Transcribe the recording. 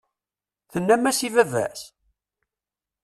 Tennam-as i baba-s?